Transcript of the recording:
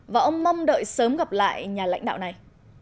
và ông mong đợi sớm gặp lại nhà lãnh đạo này